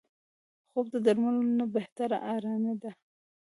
خوب د درملو نه بهتره آرامي ده